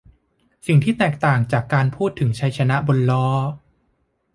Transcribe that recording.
สิ่งที่แตกต่างจากการพูดถึงชัยชนะบนล้อ